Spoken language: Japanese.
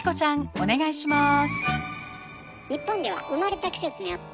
お願いします。